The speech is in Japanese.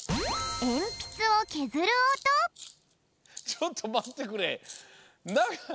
ちょっとまってくれ。